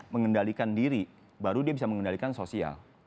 mengendalikan diri baru dia bisa mengendalikan sosial